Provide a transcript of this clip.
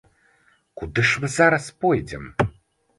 Куды ж мы зараз пойдзем?